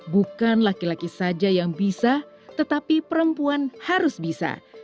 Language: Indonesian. bukan laki laki saja yang bisa tetapi perempuan harus bisa